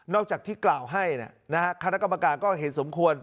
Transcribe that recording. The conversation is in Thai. จากที่กล่าวให้คณะกรรมการก็เห็นสมควร